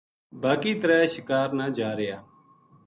باقی ترے شِکار نا جا رہیا